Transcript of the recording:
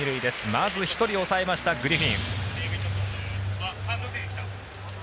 まず、１人抑えましたグリフィン。